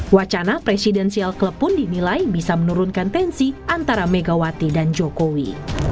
wacana presidensial club pun dinilai bisa menurunkan tensi antara megawati dan jokowi